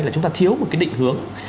là chúng ta thiếu một cái định hướng